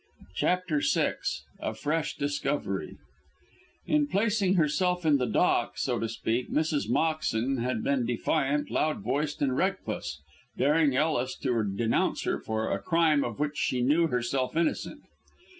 CHAPTER VI A FRESH DISCOVERY In placing herself in the dock, so to speak, Mrs. Moxton had been defiant, loud voiced and reckless, daring Ellis to denounce her for a crime of which she knew herself innocent.